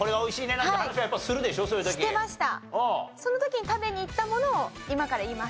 その時に食べに行ったものを今から言います。